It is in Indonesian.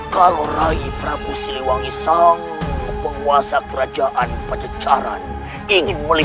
lalu ada dua orang dengan penutup wajah menyerang kami rai